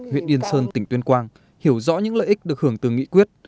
huyện yên sơn tỉnh tuyên quang hiểu rõ những lợi ích được hưởng từ nghị quyết